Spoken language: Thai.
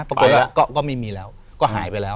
ไปแล้วก็ไม่มีแล้วก็หายไปแล้ว